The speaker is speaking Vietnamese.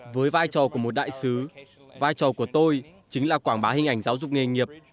với vai trò của một đại sứ vai trò của tôi chính là quảng bá hình ảnh giáo dục nghề nghiệp